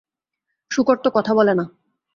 শুকর তো কথা বলে না।